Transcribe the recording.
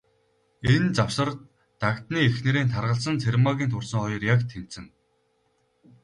Энэ завсар, Дагданы эхнэрийн таргалсан, Цэрмаагийн турсан хоёр яг тэнцэнэ.